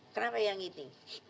kenapa yang ini